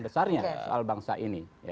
besarnya albangsa ini